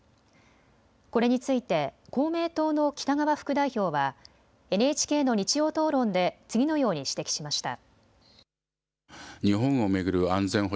これについて公明党の北側副代表はＮＨＫの日曜討論で次のように指摘しました。